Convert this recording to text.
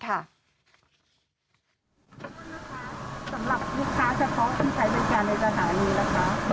ขอโทษนะครับสำหรับลูกค้าเฉพาะคุณใช้บริการในสถานีแล้วครับ